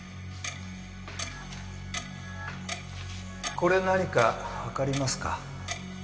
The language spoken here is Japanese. これ何かわかりますか？